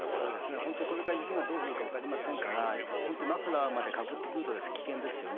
本当、これから雪がどう降るか分かりませんから、本当にマフラーまでかぶってくると危険ですよね。